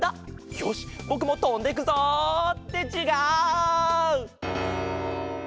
よしぼくもとんでくぞ！ってちがう！